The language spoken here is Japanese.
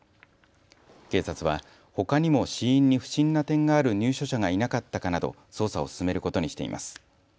警察はほかにも死因に不審な点がある入所者がいなかったかなど捜査を進めることにしています。